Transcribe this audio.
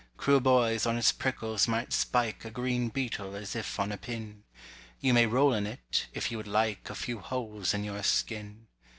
Cruel boys on its prickles might spike a Green beetle as if on a pin. You may roll in it, if you would like a Few holes in your skin.